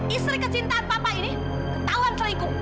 istri kecintaan papa ini ketauan selingkup